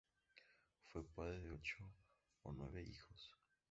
Fue padre de ocho o nueve hijos.